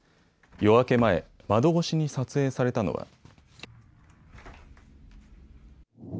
夜明け前、窓越しに撮影されたのは。